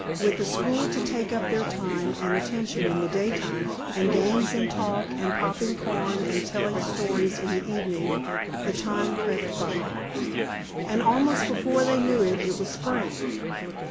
With the school to take up their time and attention in the daytime and games and talk and popping corn and telling stories in the evening the time crept by, and almost before they knew it it was spring.